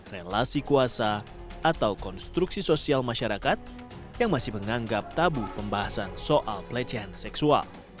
relasi kuasa atau konstruksi sosial masyarakat yang masih menganggap tabu pembahasan soal pelecehan seksual